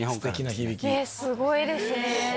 すごいですね。